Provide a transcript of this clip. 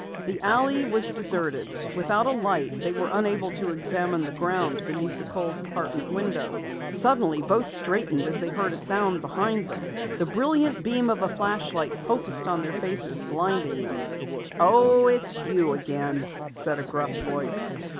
The alley was deserted. Without a light they were unable to examine the ground beneath the Kohl's apartment window. Suddenly, both straightened as they heard a sound behind them. The brilliant beam of a flashlight focused on their faces, blinding them. "Oh, it's you again," said a gruff voice.